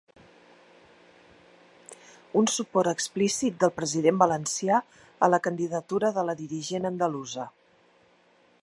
Un suport explícit del president valencià a la candidatura de la dirigent andalusa.